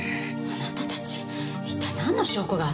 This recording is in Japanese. あなたたち一体なんの証拠があって。